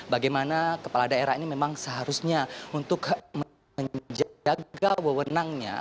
bagaimana kepala daerah ini memang seharusnya untuk menjaga wewenangnya